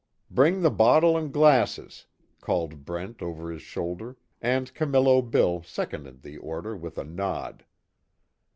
"Bring the bottle and glasses!" called Brent over his shoulder, and Camillo Bill seconded the order with a nod.